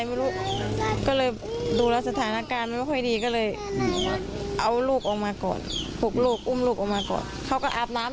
มีกิ๊กมีก๊าซมีชู้เป็นชู้อะไรอะค่ะ